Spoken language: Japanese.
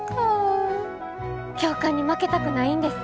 教官に負けたくないんです。